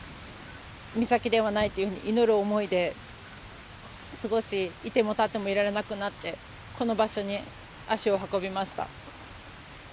美咲ではないというふうに祈る思いで過ごし、いてもたってもいられなくなって、この場所に足を運びました。